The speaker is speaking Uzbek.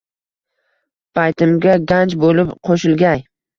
Baytimga ganj boʼlib qoʼshilgay.